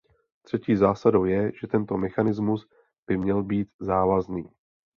Třetí zásadou je, že tento mechanismus by měl být závazný.